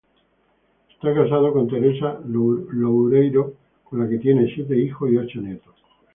Está casado con Teresa Loureiro, con la que tiene siete hijos y ocho nietos.